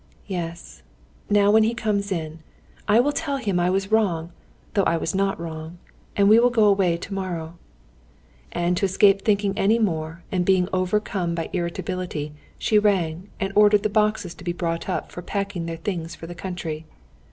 Yes, now when he comes in, I will tell him I was wrong, though I was not wrong, and we will go away tomorrow." And to escape thinking any more, and being overcome by irritability, she rang, and ordered the boxes to be brought up for packing their things for the country.